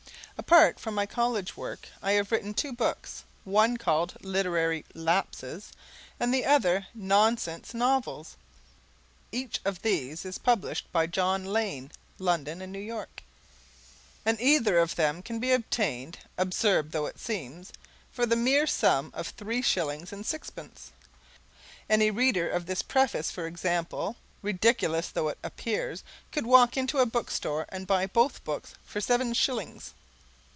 Apart from my college work, I have written two books, one called "Literary Lapses" and the other "Nonsense Novels." Each of these is published by John Lane (London and New York), and either of them can be obtained, absurd though it sounds, for the mere sum of three shillings and sixpence. Any reader of this preface, for example, ridiculous though it appears, could walk into a bookstore and buy both of these books for seven shillings.